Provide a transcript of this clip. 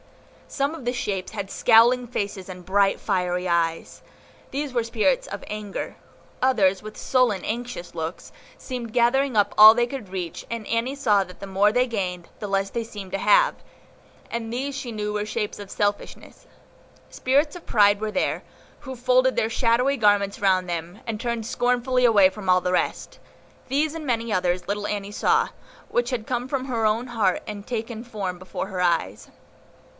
Some of the shapes had scowling faces and bright, fiery eyes; these were the spirits of Anger. Others, with sullen, anxious looks, seemed gathering up all they could reach, and Annie saw that the more they gained, the less they seemed to have; and these she knew were shapes of Selfishness. Spirits of Pride were there, who folded their shadowy garments round them, and turned scornfully away from all the rest. These and many others little Annie saw, which had come from her own heart, and taken form before her eyes.